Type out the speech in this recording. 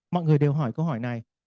mọi người đều hỏi câu hỏi này